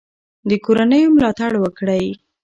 د کورنیو ملاتړ وکړئ.